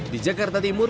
di jakarta timur